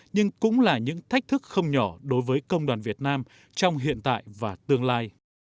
nhưng cũng là những thách thức không nhỏ đối với công đoàn việt nam trong hiện tại và tương lai